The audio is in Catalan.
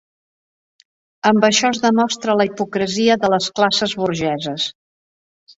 Amb això es demostra la hipocresia de les classes burgeses.